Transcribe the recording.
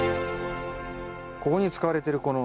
ここに使われてるこのネット。